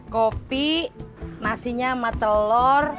kopi nasinya sama telur